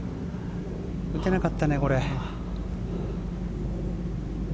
打てなかったね、これ。